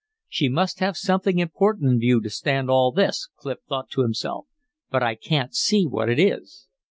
"She must have something important in view to stand all this," Clif thought to himself. "But I can't see what it is."